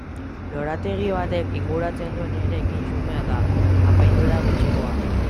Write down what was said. Lorategi batek inguratzen duen eraikin xumea da, apaindura gutxikoa.